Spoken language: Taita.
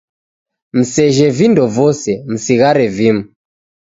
Msejhe vindo vose, msighare vimu